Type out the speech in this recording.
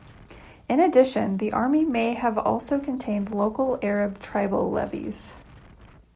In addition, the army may have also contained local Arab tribal levies.